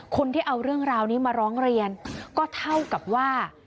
คนที่เอาเรื่องราวนี้มาร้องเรียนก็เท่ากับว่า